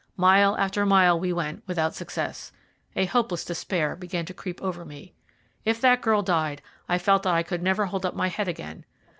Mile after mile we went, without success. A hopeless despair began to creep over me. If that girl died, I felt that I could never hold up my head again.